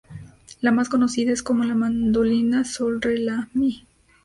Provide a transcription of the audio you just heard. La más conocida es como la mandolina sol, re, la, mi.